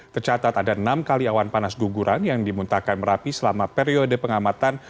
tercatat ada enam kali awan panas guguran yang dimuntahkan merapi selama periode pengamatan